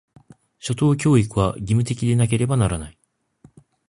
初等教育は、義務的でなければならない。